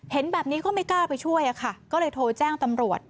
เห็นแบบนี้ก็ไม่กล้าไปช่วยอะค่ะก็เลยโทรแจ้งตำรวจ